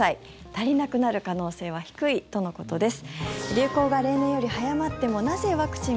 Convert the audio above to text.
足りなくなる可能性は低いとのことです。